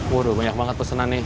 waduh banyak banget pesanan nih